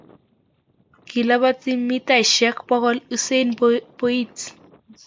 Kilapati mitaishek bokol usain Boilt